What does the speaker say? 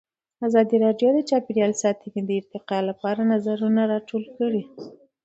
ازادي راډیو د چاپیریال ساتنه د ارتقا لپاره نظرونه راټول کړي.